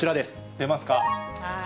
出ますか。